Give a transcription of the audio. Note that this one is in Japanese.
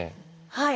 はい。